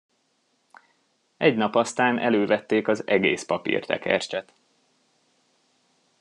Egy nap aztán elővették az egész papírtekercset.